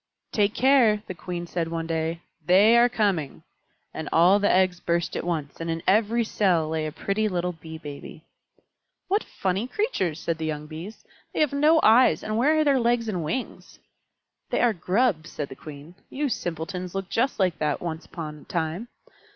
"Take care," the Queen said one day. "They are coming!" And all the eggs burst at once, and in every cell lay a pretty little Bee Baby. "What funny creatures!" said the young Bees. "They have no eyes, and where are their legs and wings?" "They are Grubs," said the Queen. "You simpletons looked just like that yourselves once upon a time.